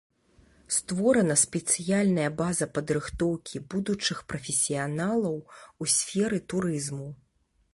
Створана спецыяльная база падрыхтоўкі будучых прафесіяналаў у сферы турызму.